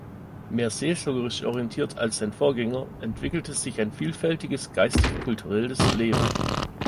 Mehr seelsorgerisch orientiert als sein Vorgänger, entwickelte sich ein vielfältiges geistig-kulturelles Leben.